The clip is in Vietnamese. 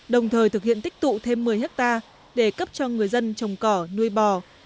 đồng thời thực hiện tích tụ thêm một mươi hectare để cấp cho người dân trồng cỏ nuôi bò